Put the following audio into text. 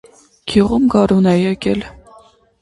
Գյուղում գարուն է եկել։